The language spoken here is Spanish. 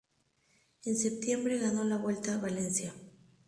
En septiembre ganó la Vuelta a Valencia.